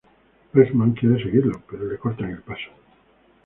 Bregman quiere seguirlo, pero le cortan el paso.